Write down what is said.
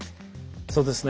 そうですね。